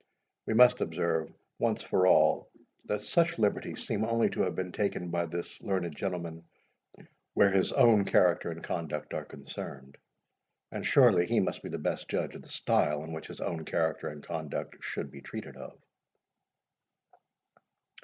We must observe, once for all, that such liberties seem only to have been taken by the learned gentleman where his own character and conduct are concerned; and surely he must be the best judge of the style in which his own character and conduct should be treated of.